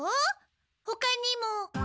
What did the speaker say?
ほかにも。